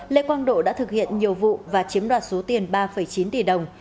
lê quang độ đã thực hiện nhiều vụ và chiếm đoạt số tiền ba chín tỷ đồng